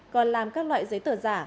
còn làm các loại giấy tờ giả